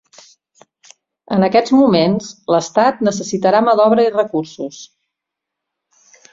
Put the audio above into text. En aquests moments, l'Estat necessitarà mà d'obra i recursos.